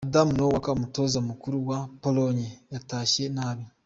Adam Nawalka umutoza mukuru wa Pologne yatashye nabi.